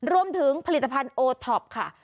รวมถึงผลิตภัณฑ์โอท็อปค่ะ